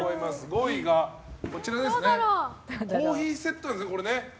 ５位が、コーヒーセットですね。